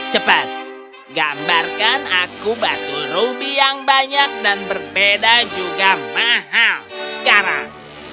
cepat gambarkan aku batu rubi yang banyak dan berbeda juga mahal sekarang